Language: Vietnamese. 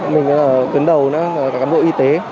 mình ở tuyến đầu cả cán bộ y tế